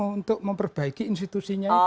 untuk memperbaiki institusinya itu